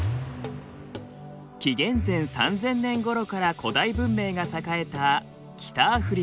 紀元前３０００年ごろから古代文明が栄えた北アフリカ。